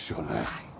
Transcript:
はい。